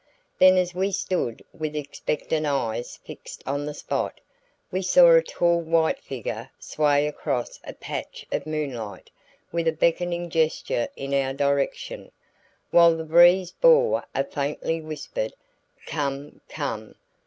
Then as we stood with expectant eyes fixed on the spot, we saw a tall white figure sway across a patch of moonlight with a beckoning gesture in our direction, while the breeze bore a faintly whispered, "Come! Come!"